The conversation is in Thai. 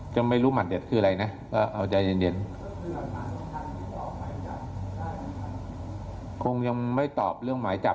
ท่านพรุ่งนี้ไม่แน่ครับแต่วันพรุ่งนี้ไม่แน่ครับ